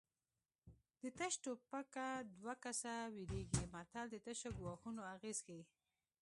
د تش ټوپکه دوه کسه ویرېږي متل د تشو ګواښونو اغېز ښيي